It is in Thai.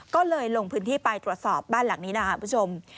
ก็เลยลงพื้นที่ไปตรวจสอบบ้านหลังนี้นะครับคุณผู้ชม